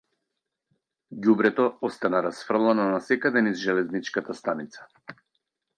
Ѓубрето остана расфрлано насекаде низ железничката станица.